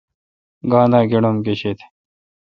گاں دہ گݨوم گیشد۔؟